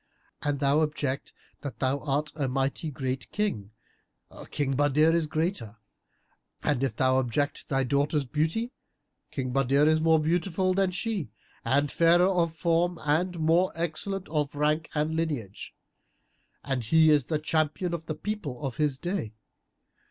An thou object that thou art a mighty great King, King Badr is a greater; and if thou object thy daughter's beauty, King Badr is more beautiful than she and fairer of form and more excellent of rank and lineage; and he is the champion of the people of his day.